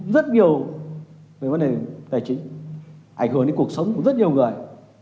rất nhiều về vấn đề tài chính ảnh hưởng đến cuộc sống của rất nhiều người